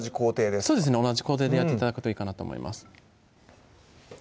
そうですね同じ工程でやって頂くといいかなと思います